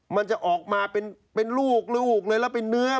มันจะออกมาเป็นลูกเลยแล้วเป็นเนื้อ